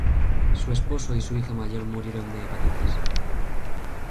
Su esposo y su hija mayor murieron de hepatitis.